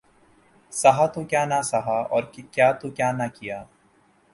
سہا تو کیا نہ سہا اور کیا تو کیا نہ کیا